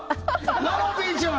ララピーちゃん！